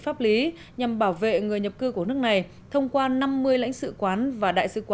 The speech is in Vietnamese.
pháp lý nhằm bảo vệ người nhập cư của nước này thông qua năm mươi lãnh sự quán và đại sứ quán